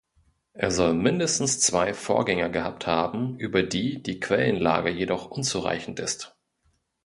Er soll mindestens zwei Vorgänger gehabt haben, über die die Quellenlage jedoch unzureichend ist.